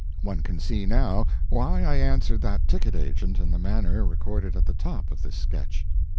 (One can see now why I answered that ticket agent in the manner recorded at the top of this sketch.)